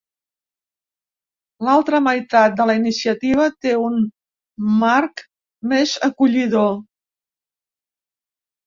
L'altra meitat de la iniciativa té un marc més acollidor.